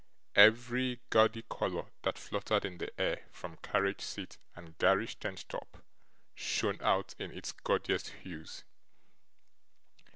Every gaudy colour that fluttered in the air from carriage seat and garish tent top, shone out in its gaudiest hues.